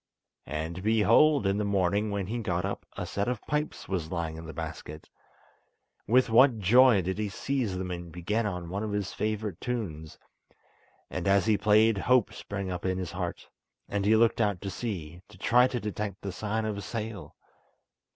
And, behold! in the morning when he got up a set of pipes was lying in the basket. With what joy did he seize them and begin one of his favourite tunes; and as he played hope sprang up in his heart, and he looked out to sea, to try to detect the sign of a sail.